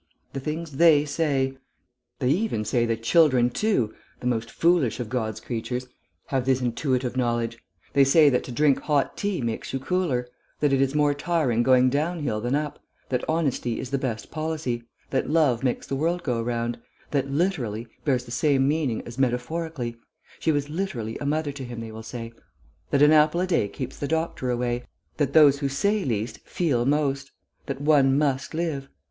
The things "they" say! They even say that children too (the most foolish of God's creatures) have this intuitive knowledge; they say that to drink hot tea makes you cooler, that it is more tiring going down hill than up, that honesty is the best policy, that love makes the world go round, that "literally" bears the same meaning as "metaphorically" ("she was literally a mother to him," they will say), that an apple a day keeps the doctor away, that those who say least feel most, that one must live.